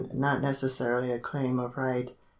Not necessarily a claim of right. 2.